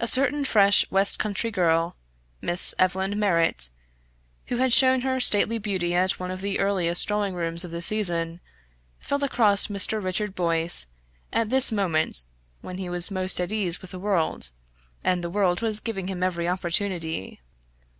A certain fresh west country girl, Miss Evelyn Merritt, who had shown her stately beauty at one of the earliest drawing rooms of the season, fell across Mr. Richard Boyce at this moment when he was most at ease with the world, and the world was giving him every opportunity.